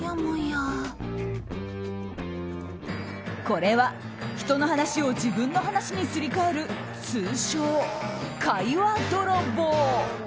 これは人の話を自分の話にすり替える通称、会話泥棒。